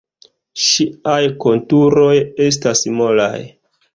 Ŝiaj konturoj estas molaj.